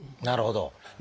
なるほど。